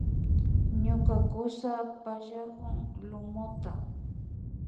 Ñuka kusa pallakun lumuta